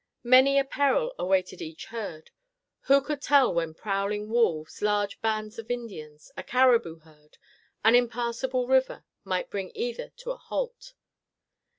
Many a peril awaited each herd. Who could tell when prowling wolves, large bands of Indians, a caribou herd, an impassable river, might bring either to a halt?